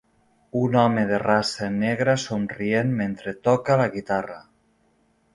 Un home de raça negra somrient mentre toca la guitarra.